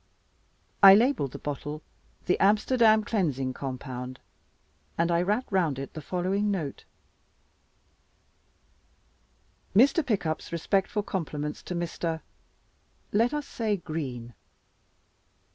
I labeled the bottle "The Amsterdam Cleansing Compound"; and I wrapped round it the following note: "Mr. Pickup's respectful compliments to Mr. (let us say, Green).